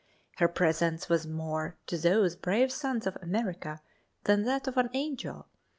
Her presence was more to those brave sons of America than that of an angel.